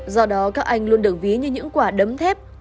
do đó các anh luôn được ví như những quả đấm thép